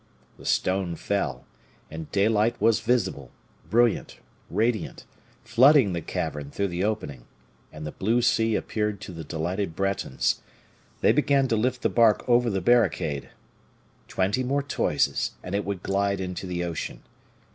The stone fell, and daylight was visible, brilliant, radiant, flooding the cavern through the opening, and the blue sea appeared to the delighted Bretons. They began to lift the bark over the barricade. Twenty more toises, and it would glide into the ocean.